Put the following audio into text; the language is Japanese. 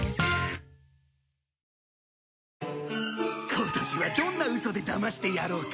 今年はどんなウソでだましてやろうか？